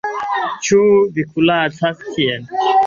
Ĉu vi kuracas tie?